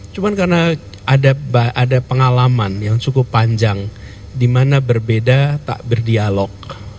cuma karena ada pengalaman yang cukup panjang di mana berbeda tak berdialog